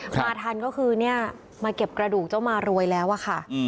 มาทันก็คือเนี่ยมาเก็บกระดูกเจ้ามารวยแล้วอะค่ะ